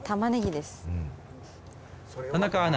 田中アナ